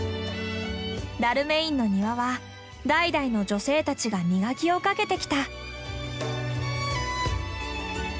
ダルメインの庭は代々の女性たちが磨きをかけてきた。